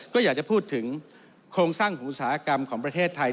ก็อยากจะพูดถึงโครงสร้างอุตสาหกรรมของประเทศไทย